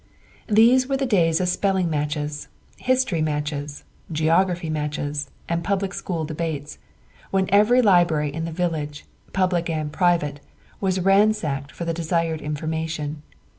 These were the days of spelling matches, history matches, geography matches, and public school debates, when every library in the village, public and private, was ransacked for the desired information.